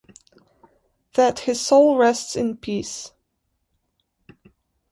That his soul rests in peace.